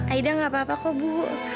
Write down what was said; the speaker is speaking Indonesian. aida gak apa apa kok bu